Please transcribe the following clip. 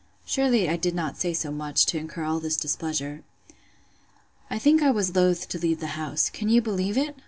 Surely I did not say so much, to incur all this displeasure. I think I was loath to leave the house. Can you believe it?